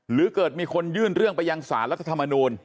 หรือเกิดมีคนยื่นเรื่องไปยังสารรัฐธรรมนูล